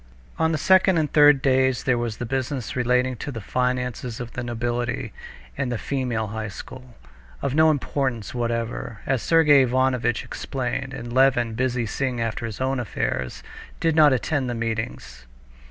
On the second and third days there was business relating to the finances of the nobility and the female high school, of no importance whatever, as Sergey Ivanovitch explained, and Levin, busy seeing after his own affairs, did not attend the meetings.